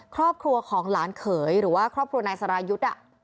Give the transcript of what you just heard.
ครอบครัวของหลานเขยหรือว่าครอบครัวนายสรายุทธ์